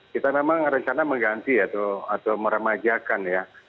kita memang rencana mengganti atau meremajakan ya